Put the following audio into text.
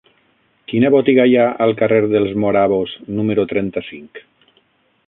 Quina botiga hi ha al carrer dels Morabos número trenta-cinc?